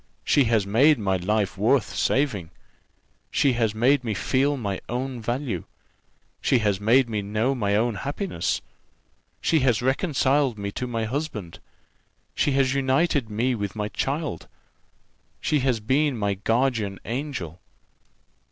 She has made my life worth saving. She has made me feel my own value. She has made me know my own happiness. She has reconciled me to my husband. She has united me with my child. She has been my guardian angel.